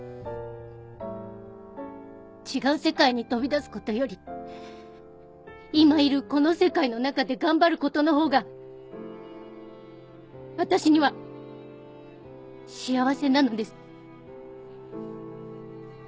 違う世界に飛び出すことより今いるこの世界の中で頑張ることの方が私には幸せなのです。